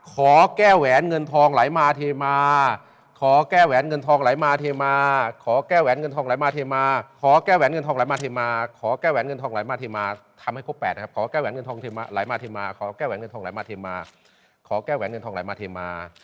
ขอแก่แหวนเงินทองไหลมาเทมา